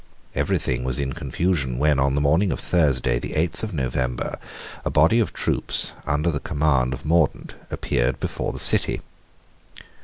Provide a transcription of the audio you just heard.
Every thing was in confusion when, on the morning of Thursday, the eighth of November, a body of troops, under the command of Mordaunt, appeared before the city.